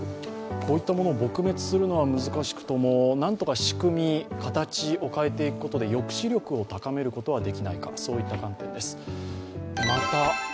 こういったものを撲滅するのは難しくとも何とか仕組み、形を変えていくことで抑止力を高めることはできないか。